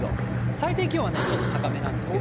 最低気温はちょっと高めなんですけれども。